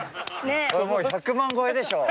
もう１００万超えでしょう。